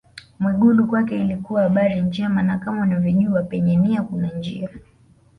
Mwigulu kwake ilikuwa habari njema na kama unavyojua penye nia kuna njia